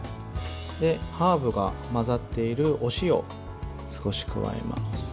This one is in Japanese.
ハーブが混ざっているお塩を少し加えます。